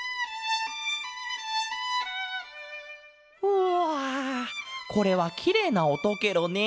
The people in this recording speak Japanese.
うわこれはきれいなおとケロね。